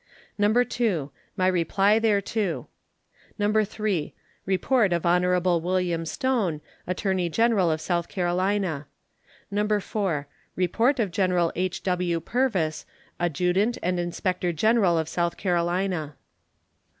No. 2. My reply thereto. No. 3. Report of Hon. William Stone, attorney general of South Carolina. No. 4. Report of General H.W. Purvis, adjutant and inspector general of South Carolina.